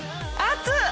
熱い！